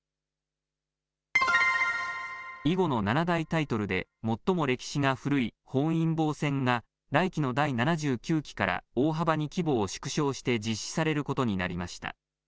囲碁の七大タイトルで、最も歴史が古い本因坊戦が、来期の第７９期から大幅に規模を縮小して実施されることになりました。